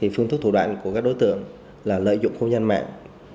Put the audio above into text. phương thức thủ đoạn của các đối tượng là lợi dụng không gian mạng